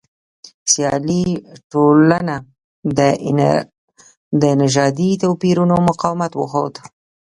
سیالي ټولنه د نژادي توپیرونو مقاومت وښود.